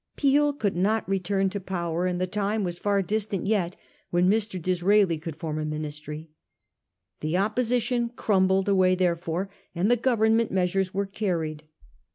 Peel could not return to power j 1846, THE SPANISH MARRIAGES. 427 and the time was far distant yet when Mr. Disraeli could form a Ministry. The opposition crumbled away therefore, and the Government measures were carried.